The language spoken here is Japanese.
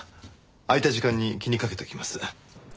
空いた時間に気にかけておきます。